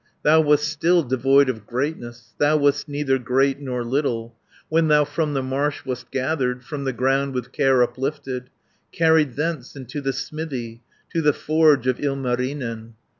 300 "Thou wast still devoid of greatness, Thou wast neither great nor little, When thou from the marsh wast gathered, From the ground with care uplifted, Carried thence into the smithy, To the forge of Ilmarinen.